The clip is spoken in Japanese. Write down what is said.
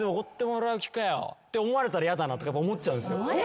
って思われたら嫌だなとか思っちゃうんすよ。